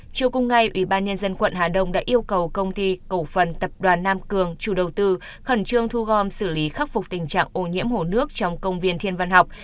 chiều cùng ngày ủy ban nhân dân quận hà đông đã yêu cầu công ty cổ phần tập đoàn nam cường chủ đầu tư khẩn trương thu gom xử lý khắc phục tình trạng ô nhiễm hồ nước trong công viên thiên văn học